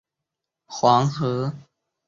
明清时升正四品。